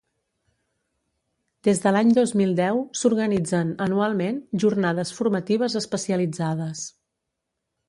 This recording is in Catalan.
Des de l'any dos mil deu s'organitzen, anualment, jornades formatives especialitzades.